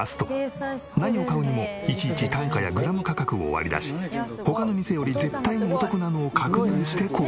何を買うにもいちいち単価やグラム価格を割り出し他の店より絶対お得なのを確認して購入。